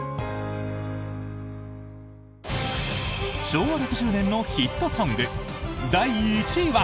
昭和６０年のヒットソング第１位は。